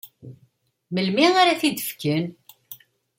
Melmi ara am-t-id-fken?